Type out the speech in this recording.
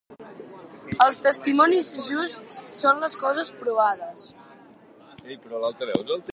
Els testimonis justs són les coses provades.